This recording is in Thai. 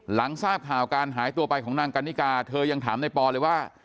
หลังทราบข่าวการหายตัวไปของนางกันนิกาเธอยังถามในปอเลยว่า